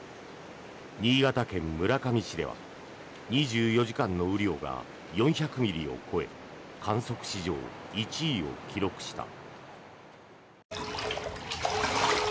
新潟県村上市では２４時間の雨量が４００ミリを超え観測史上１位を記録した。